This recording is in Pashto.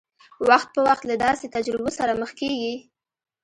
وخت په وخت له داسې تجربو سره مخ کېږي.